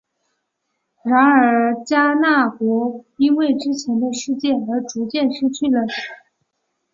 然而迦纳国因为之前的事件而逐渐失去了其一直以来对南方领的控制。